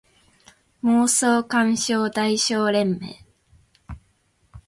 妄想感傷代償連盟